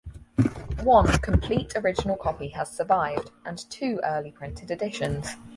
One complete original copy has survived, and two early printed editions.